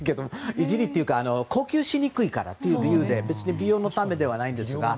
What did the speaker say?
いじりっていうか呼吸しにくいからという理由で別に美容のためではないんですが。